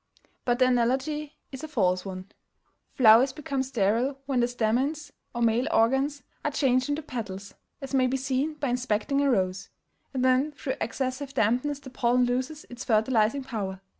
But the analogy is a false one. Flowers become sterile when the stamens or male organs are changed into petals, as may be seen by inspecting a rose; and when through excessive dampness the pollen loses its fertilizing power.